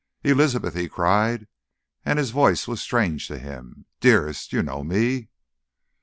"Elizabeth," he cried, and his voice was strange to him: "dearest you know me?"